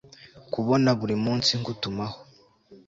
kubona buri munsi ngutumaho